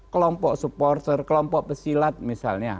kelompok supporter kelompok pesilat misalnya